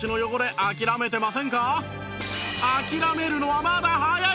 諦めるのはまだ早い！